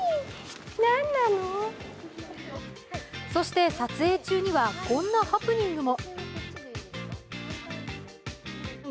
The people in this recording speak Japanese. そして撮影中には、こんなハプニングも。